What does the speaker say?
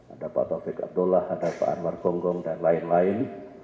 ada pak taufik abdullah ada pak anwar gonggong dan lain lain